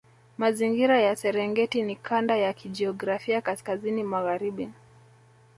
Mazingira ya Serengeti ni kanda ya kijiografia kaskazini magharibi